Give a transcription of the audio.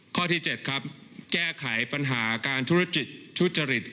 ข้อที่เจ็ดครับแก้ไขปัญหาการทุจริต